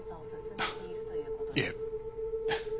いえ。